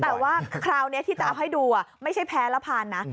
แต่ว่าคราวนี้ที่จะเอาให้ดูไม่ใช่แพ้ละผ่านนะ